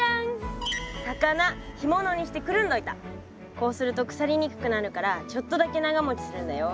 こうすると腐りにくくなるからちょっとだけ長もちするんだよ。